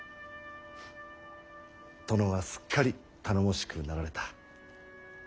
殿はすっかり頼もしくなられた。